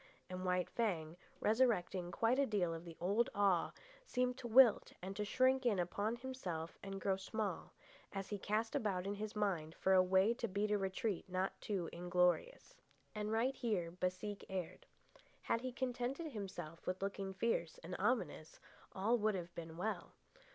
And White Fang, resurrecting quite a deal of the old awe, seemed to wilt and to shrink in upon himself and grow small, as he cast about in his mind for a way to beat a retreat not too inglorious. And right here Baseek erred. Had he contented himself with looking fierce and ominous, all would have been well.